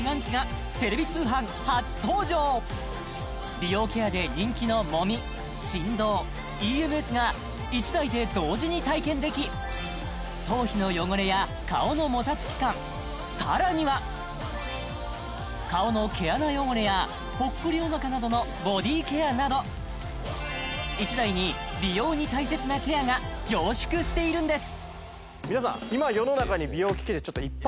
美容ケアで人気の揉み振動ＥＭＳが１台で同時に体験でき頭皮の汚れや顔のもたつき感さらには顔の毛穴汚れやぽっこりおなかなどのボディーケアなど１台に美容に大切なケアが凝縮しているんです皆さん